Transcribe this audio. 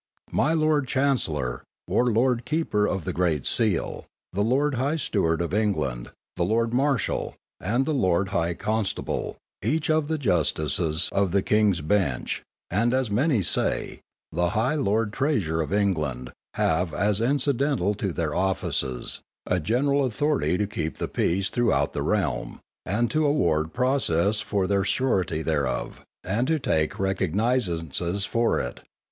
My Lord Chancellor, or Lord Keeper of the Great Seal, the Lord High Steward of England, the Lord Marshal, and the Lord High Constable, each of the Justices of the King's Bench, and as some say, the Lord High Treasurer of England, have, as incidental to their offices, a general authority to keep the peace throughout the realm, and to award process for their surety thereof, and to take recognizances for it.